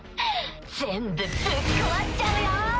全部ぶっ壊しちゃうよ。